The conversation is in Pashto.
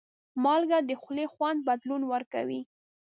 مالګه د خولې خوند بدلون ورکوي.